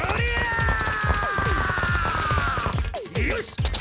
よし！